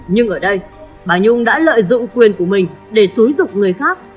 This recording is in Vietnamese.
nhưng ở đây bà nhung đã lợi dụng quyền của mình để xúi dục người khác